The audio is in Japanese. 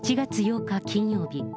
７月８日金曜日。